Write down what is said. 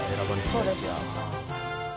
「そうです」